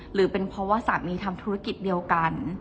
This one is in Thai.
หรือเป็นเพราะว่าสามีทำธุรกิจเดียวกัน